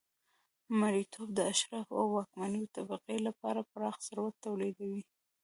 مریتوب د اشرافو او واکمنې طبقې لپاره پراخ ثروت تولیدوي